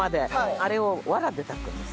あれをわらで炊くんです。